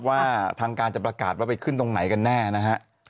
ว่าทางการจะประกาศว่าไปขึ้นตรงไหนกันแน่นะฮะ